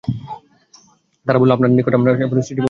তারা বলল, আপনার নিকট আমরা এ সৃষ্টির ব্যাপারে জিজ্ঞেস করতে এসেছি।